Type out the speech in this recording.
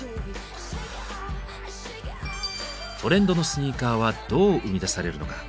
トレンドのスニーカーはどう生み出されるのか。